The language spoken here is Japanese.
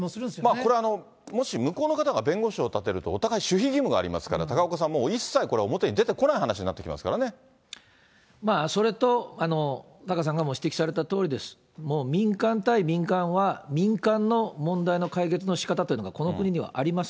これ、もし向こうの方が弁護士を立てるとお互い、守秘義務がありますから、高岡さん、もう一切、これは表に出てこない話になまあ、それと、タカさんもご指摘されたとおりです、もう民間対民間は民間の問題の解決のしかたというのが、この国にはあります。